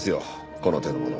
この手のものは。